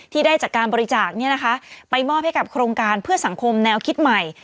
ได้จากการบริจาคไปมอบให้กับโครงการเพื่อสังคมแนวคิดใหม่